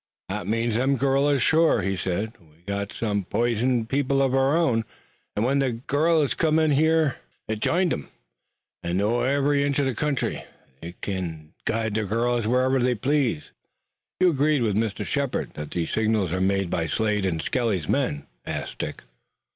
"That means them gorillers, shore," he said. "We've got some p'ison people uv our own, an' when the gorillers come in here they j'ined 'em, and knowin' ev'ry inch uv the country, they kin guide the gorillers wharever they please." "You agree then with Mr. Shepard that these signals are made by Slade and Skelly's men?" asked Dick.